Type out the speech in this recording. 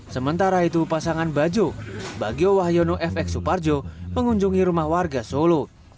sementara itu pasangan bajo bagio wahyono fx suparjo mengunjungi rumah warga solo